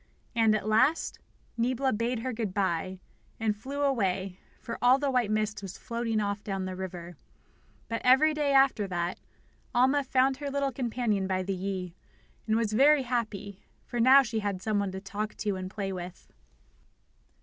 And, at last, Niebla bade her good bye, and flew away, for all the white mist was floating off down the river. But every day after that, Alma found her little companion by the Yi, and was very happy, for now she had some one to talk to and to play with.